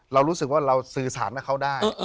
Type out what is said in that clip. เรารู้สึกว่าเราสื่อสารกับเขาได้